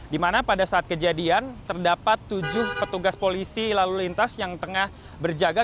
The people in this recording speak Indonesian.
di mana pada saat kejadian terdapat tujuh petugas polisi lalu lintas yang tengah berjaga